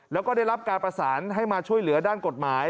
แล้วก็ได้รับการประสานให้มาช่วยเหลือด้านกฎหมาย